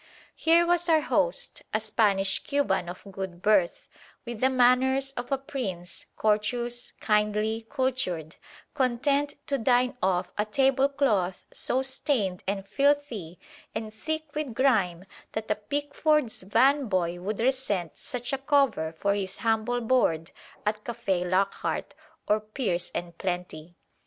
Here was our host, a Spanish Cuban of good birth, with the manners of a prince, courteous, kindly, cultured, content to dine off a tablecloth so stained and filthy and thick with grime that a Pickford's van boy would resent such a cover for his humble board at Café Lockhart or Pearce and Plenty.